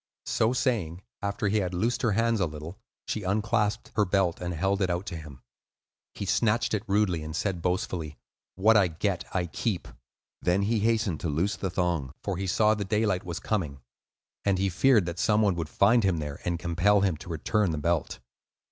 So saying, after he had loosed her hands a little, she unclasped her belt and held it out to him. He snatched it rudely, and said boastfully, "What I get, I keep." Then he hastened to loose the thong, for he saw that daylight was coming, and he feared that some one would find him there and compel him to return the belt.